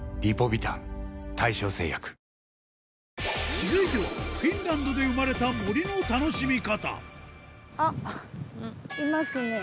続いてはフィンランドで生まれたあっいますね。